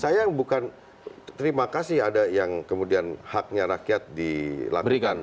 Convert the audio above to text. saya bukan terima kasih ada yang kemudian haknya rakyat dilakukan